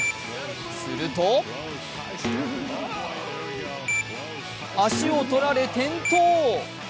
すると、足をとられ転倒。